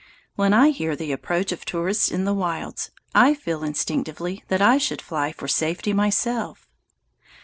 When I hear the approach of tourists in the wilds, I feel instinctively that I should fly for safety myself.